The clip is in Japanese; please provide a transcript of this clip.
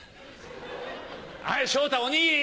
はい昇太おにぎり！